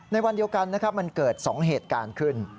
ในวันเดียวกันนะครับมันเกิด๒เหตุการณ์ขึ้น